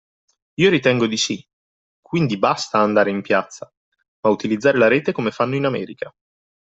Io ritengo di si, quindi basta andare in piazza ma utilizzare la rete come fanno in America.